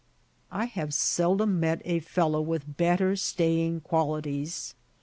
I have seldom met a fellow with better staying qualities.